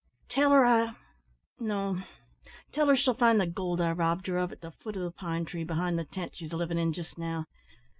Tell her I no, tell her she'll find the gold I robbed her of at the foot o' the pine tree behind the tent she's livin' in jist now.